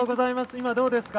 今、どうですか。